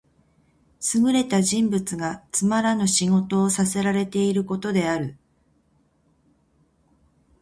優れた人物がつまらぬ仕事をさせらていることである。「驥、塩車に服す」とも読む。